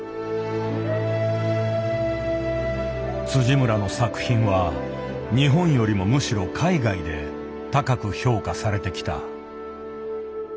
村の作品は日本よりもむしろ海外で高く評価されてきた。